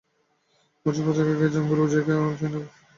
বছর পাঁচেক আগে এই জঙ্গুলো জায়গায় আমাকে জনৈক সাধুর সন্ধানে যেতে হয়েছিল।